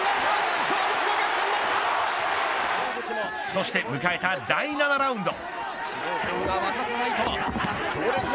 そして迎えた第７ラウンド。